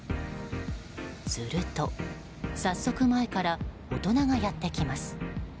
すると、早速前から大人がやってきます。